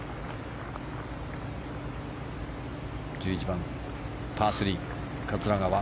１１番、パー３、桂川。